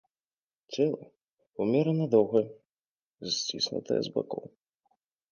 Цела умерана доўгае, сціснутае з бакоў.